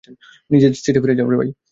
নিজের সিটে ফিরে যাও!